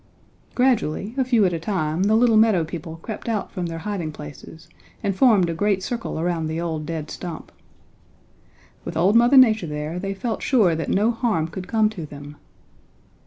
"Gradually, a few at a time, the little meadow people crept out from their hiding places and formed a great circle around the old dead stump. With old Mother Nature there they felt sure that no harm could come to them.